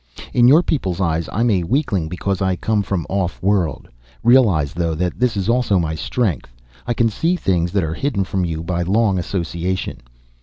"In your people's eyes I'm a weakling because I come from off world. Realize though, that this is also my strength. I can see things that are hidden from you by long association.